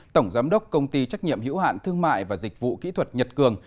tổng giám đốc công ty trách nhiệm hiểu hạn thương mại và dịch vụ kỹ thuật nhật cường